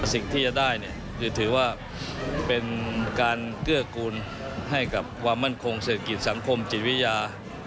สิ่งที่จะได้เนี่ยคือถือว่าเป็นการเกื้อกูลให้กับความมั่นคงเศรษฐกิจสังคมจิตวิทยา